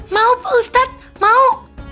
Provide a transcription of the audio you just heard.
mau pak ustadz mau